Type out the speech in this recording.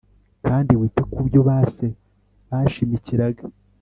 kandi wite ku byo ba se bashimikiraga